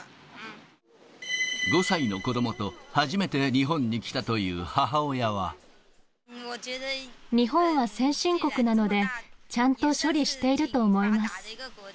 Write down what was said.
５歳の子どもと、日本は先進国なので、ちゃんと処理していると思います。